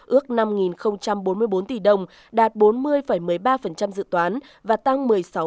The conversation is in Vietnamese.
ước năm bốn mươi bốn tỷ đồng đạt bốn mươi một mươi ba dự toán và tăng một mươi sáu năm mươi hai